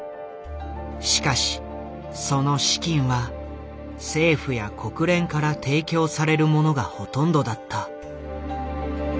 しかしその資金は政府や国連から提供されるものがほとんどだった。